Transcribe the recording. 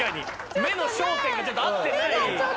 目の焦点がちょっと合ってない。